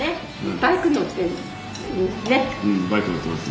バイク乗ってますね。